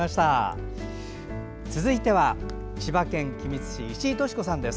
続いては千葉県君津市石井トシ子さんです。